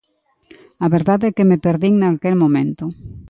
A verdade é que me perdín naquel momento.